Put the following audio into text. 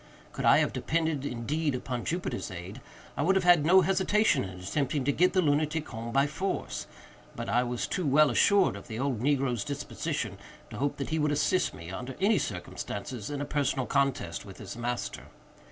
Could I have depended, indeed, upon Jupiter's aid, I would have had no hesitation in attempting to get the lunatic home by force; but I was too well assured of the old negro's disposition, to hope that he would assist me, under any circumstances, in a personal contest with his master.